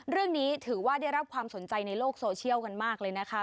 เรื่องนี้ถือว่าได้รับความสนใจในโลกโซเชียลกันมากเลยนะคะ